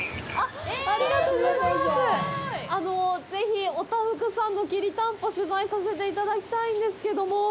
ぜひ、お多福さんのきりたんぽ、取材させていただきたいんですけども。